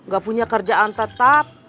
gak punya kerjaan tetap